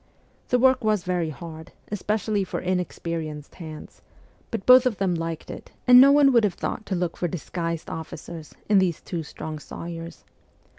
The work was very hard, especially for inexperienced hands, but both of them liked it ; and no one would have thought to look for disguised officers in these two strong sawyers.